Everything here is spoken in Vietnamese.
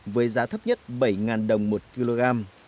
với giá thấp nhất bảy đồng một kg